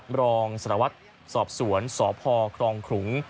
หลักรองสรวจสอบสวนสอบภอคลองขรุง